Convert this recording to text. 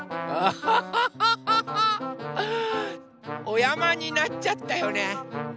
おやまになっちゃったよね。